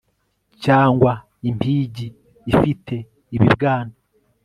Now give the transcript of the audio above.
Cyangwa impigi ifite ibibwana